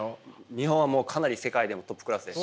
日本はもうかなり世界でもトップクラスです。